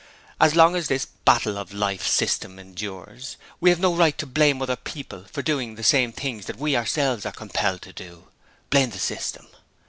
As long as this 'Battle of Life' System endures, we have no right to blame other people for doing the same things that we are ourselves compelled to do. Blame the system.